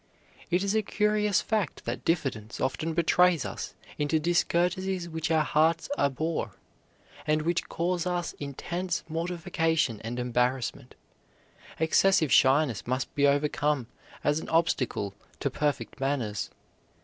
It is a curious fact that diffidence often betrays us into discourtesies which our hearts abhor, and which cause us intense mortification and embarrassment. Excessive shyness must be overcome as an obstacle to perfect manners.